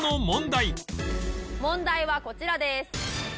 問題はこちらです。